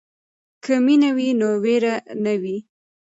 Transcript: که مینه وي نو وېره نه وي.